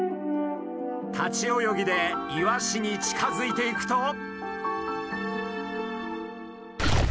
立ち泳ぎでイワシに近づいていくと。